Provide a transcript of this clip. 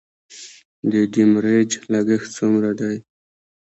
د ډیمریج لګښت څومره دی؟